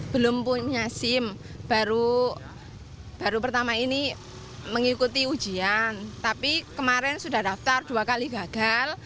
belum punya sim baru pertama ini mengikuti ujian tapi kemarin sudah daftar dua kali gagal